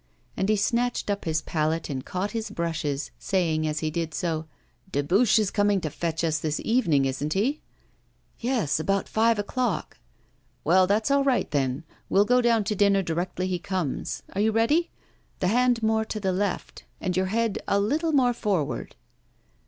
And he snatched up his palette and caught his brushes, saying, as he did so, 'Dubuche is coming to fetch us this evening, isn't he?' 'Yes, about five o'clock.' 'Well, that's all right then. We'll go down to dinner directly he comes. Are you ready? The hand more to the left, and your head a little more forward.